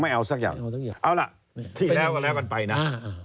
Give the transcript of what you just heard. เอาล่ะที่แล้วก็แล้วกันไปนะ